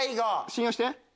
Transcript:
信用して。